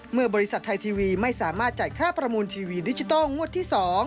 เมื่อบริษัทไทยทีวีไม่สามารถจ่ายค่าประมูลทีวีดิจิทัลงวดที่๒